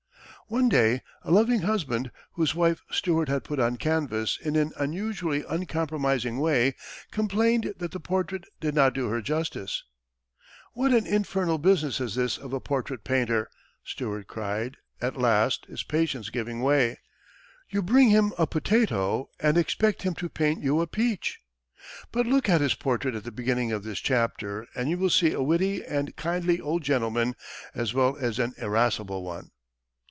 One day, a loving husband, whose wife Stuart had put on canvas in an unusually uncompromising way, complained that the portrait did not do her justice. "What an infernal business is this of a portrait painter," Stuart cried, at last, his patience giving way. "You bring him a potato and expect him to paint you a peach!" But look at his portrait at the beginning of this chapter, and you will see a witty and kindly old gentleman, as well as an irascible one.